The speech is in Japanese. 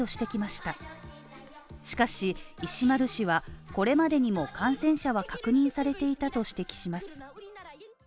しかし、石丸氏はこれまでにも感染者は確認されていたと指摘します。